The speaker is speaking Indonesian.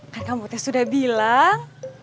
kan kamu sudah bilang